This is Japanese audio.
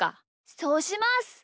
そうします！